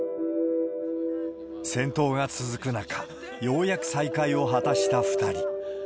戦闘が続く中、ようやく再会を果たした２人。